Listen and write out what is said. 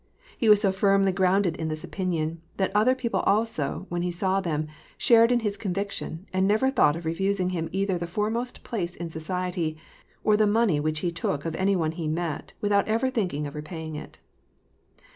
He was so firmly grounded in this opinion, that other people also, when they saw him, shared in his conviction, and never thought of refusing him either the foremost place in society, or the money which he took of any one he met, without ever thinking of repaying it.